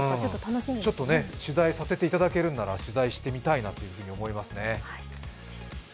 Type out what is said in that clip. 取材させていただけるなら取材してみたいなと思いますね。